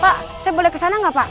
pak saya boleh kesana nggak pak